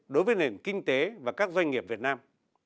đối với nền kinh tế và các doanh nghiệp việt nam